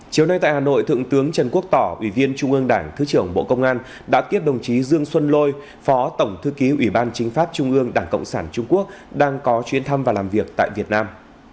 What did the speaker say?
chiều nay tại hà nội thượng tướng trần quốc tỏ ủy viên trung ương đảng thứ trưởng bộ công an đã kiếp đồng chí dương xuân lôi phó tổng thư ký ủy ban chính pháp trung ương đảng cộng sản trung quốc đang có chuyến thăm và làm việc tại việt nam